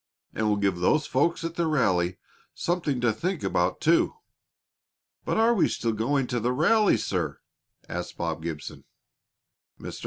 And we'll give those folks at the rally something to think about, too." "But are we still going to have the rally, sir?" asked Bob Gibson. Mr.